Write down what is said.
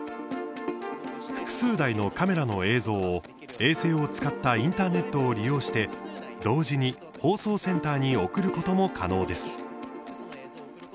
複数台のカメラの映像を衛星を使ったインターネットを利用して同時に放送センターに送ることも可能です。